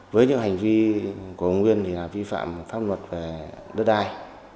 với những hành vi của ông nguyên thì vi phạm pháp luật về đất đai